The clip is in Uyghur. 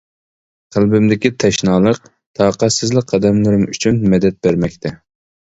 قەلبىمدىكى تەشنالىق، تاقەتسىزلىك قەدەملىرىم ئۈچۈن مەدەت بەرمەكتە.